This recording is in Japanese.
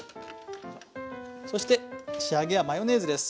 そして仕上げはマヨネーズです。